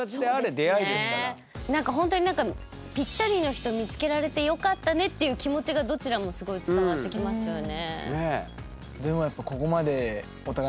なんかほんとに「ピッタリな人見つけられて良かったね」っていう気持ちがどちらもすごい伝わってきますよね。